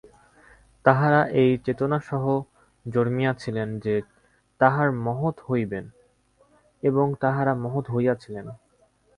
তাঁহারা এই চেতনাসহ জন্মিয়াছিলেন যে, তাঁহারা মহৎ হইবেন, এবং তাঁহারা মহৎ হইয়াছিলেন।